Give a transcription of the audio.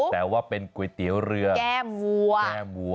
แต่ว่าเป็นก๋วยเตี๋ยวเรือแก้มวัว